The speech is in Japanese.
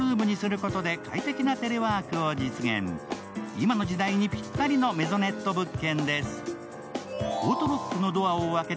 今の時代にぴったりのメゾネット物件です。